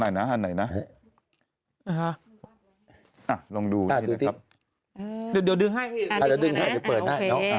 เดี๋ยวดึงให้พี่